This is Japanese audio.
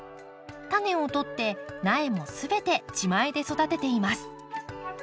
タネをとって苗も全て自前で育てています。